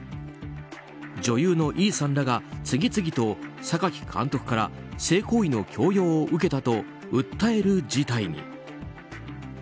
女優のＥさんらが次々と榊監督から性行為の強要を受けたと訴える事態に。